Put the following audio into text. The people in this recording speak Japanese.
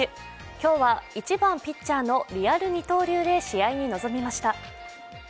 今日は１番・ピッチャーのリアル二刀流で試合に臨みました。